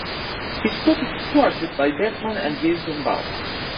His plot is thwarted by Batman and Jason Bard.